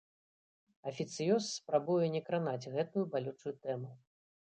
Афіцыёз спрабуе не кранаць гэтую балючую тэму.